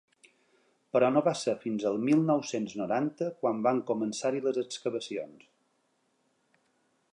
Però no va ser fins al mil nou-cents noranta quan van començar-hi les excavacions.